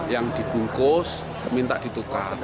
yang dibungkus minta ditukar